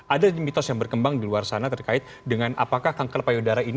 ada mitos yang berkembang di luar sana terkait dengan apakah kanker payudara ini